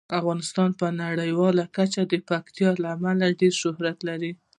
افغانستان په نړیواله کچه د پکتیکا له امله ډیر شهرت لري.